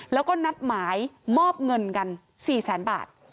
แล้วก็นัดหมายมอบเงินกัน๔แสนบาท